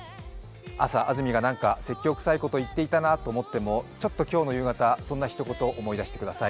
朝、安住が説教くさいことを言っていたなと思ってもちょっと今日夕方、そんなひと言を思い出してください。